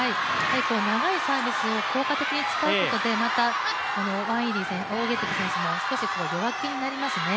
長いサービスを効果的に使うことで、また王ゲイ迪選手も少し弱気になりますね。